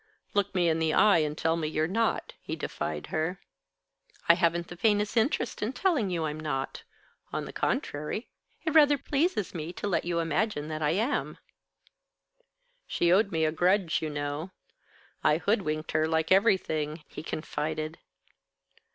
"Look me in the eye, and tell me you're not," he defied her. "I haven't the faintest interest in telling you I'm not. On the contrary, it rather pleases me to let you imagine that I am." "She owed me a grudge, you know. I hoodwinked her like everything," he confided.